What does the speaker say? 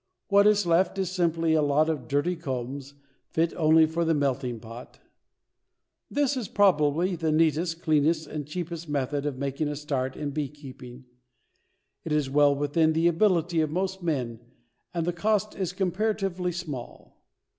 What is left is simply a lot of dirty combs fit only for the melting pot. This is probably, the neatest, cleanest and cheapest method of making a start in beekeeping. It is well within the ability of most men and the cost is comparatively small.